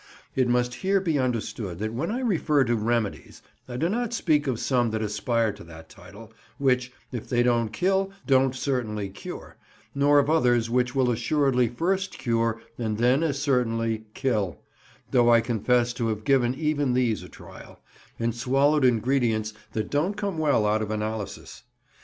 It must here be understood that when I refer to "remedies," I do not speak of some that aspire to that title, which, if they don't kill, don't certainly cure; nor of others which will assuredly first cure and then as certainly kill—though I confess to have given even these a trial, and swallowed ingredients that don't come well out of analysis.